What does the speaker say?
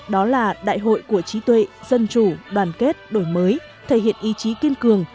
đó là đại hội của trí tuệ dân chủ đoàn kết đổi mới thể hiện ý chí kiên cường